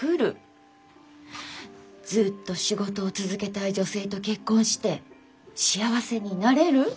ずっと仕事を続けたい女性と結婚して幸せになれる？